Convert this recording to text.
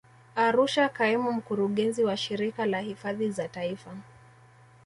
Arusha Kaimu Mkurugenzi wa Shirika la hifadhi za Taifa